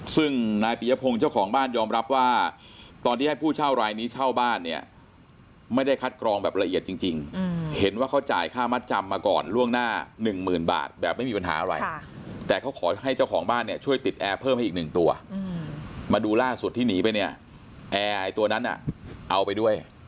ซึ่งนายปียพงศ์เจ้าของบ้านยอมรับว่าตอนที่ให้ผู้เช่ารายนี้เช่าบ้านเนี่ยไม่ได้คัดกรองแบบละเอียดจริงเห็นว่าเขาจ่ายค่ามัดจำมาก่อนล่วงหน้าหนึ่งหมื่นบาทแบบไม่มีปัญหาอะไรแต่เขาขอให้เจ้าของบ้านเนี่ยช่วยติดแอร์เพิ่มให้อีกหนึ่งตัวมาดูล่าสุดที่หนีไปเนี่ยแอร์ไอ้ตัวนั้นเอาไปด้วย